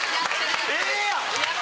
ええやん！